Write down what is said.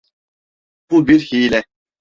Bu bir hile.